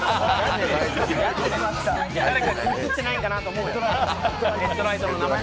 誰か映ってないかなと思うけど。